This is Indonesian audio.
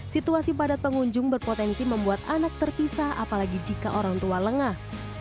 situasi padat pengunjung berpotensi membuat anak terpisah apalagi jika orang tua lengah